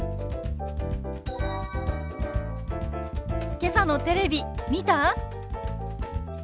けさのテレビ見た？